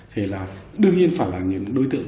thì là đương nhiên phải là những đối tượng